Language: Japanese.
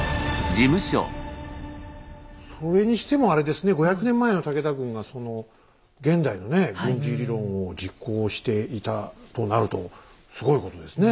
それにしてもあれですね５００年前の武田軍が現代のね軍事理論を実行していたとなるとすごいことですね。